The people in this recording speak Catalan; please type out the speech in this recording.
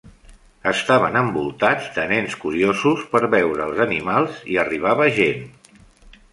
Estaven envolats de nens curiosos per veure els animals, i arribava gent.